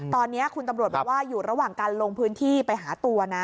ตอนนี้คุณตำรวจบอกว่าอยู่ระหว่างการลงพื้นที่ไปหาตัวนะ